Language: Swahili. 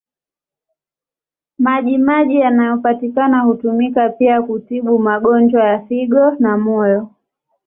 Maji maji yanayopatikana hutumika pia kutibu magonjwa ya figo na moyo.